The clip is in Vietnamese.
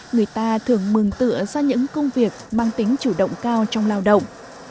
người ta thường mừng tựa ra những công việc mang tính chủ động cao trong lao động